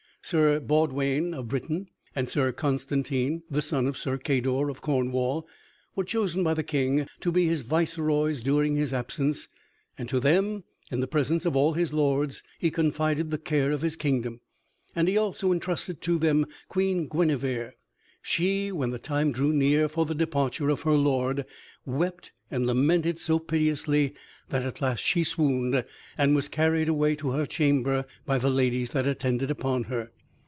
Sir Baudewaine of Britain, and Sir Constantine, the son of Sir Cador of Cornwall, were chosen by the King to be his viceroys during his absence; and to them, in the presence of all his lords, he confided the care of his kingdom, and he also entrusted to them Queen Guinevere. She, when the time drew near for the departure of her lord, wept and lamented so piteously that at last she swooned, and was carried away to her chamber by the ladies that attended upon her.